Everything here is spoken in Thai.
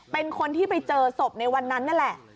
เป็นคนที่ไปเจอศพในวันนั้นนั่นแหละ